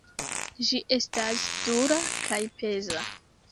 Ĝi estas dura kaj peza.